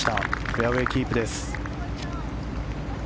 フェアウェーキープです。